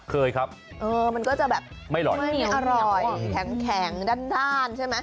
เคยครับเออมันก็จะแบบไม่เหนียวไม่อร่อยแข็งแข็งด้านด้านใช่ไหม